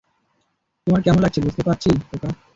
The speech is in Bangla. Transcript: তোমার কেমন লাগছে বুঝতে পারছি, খোকা।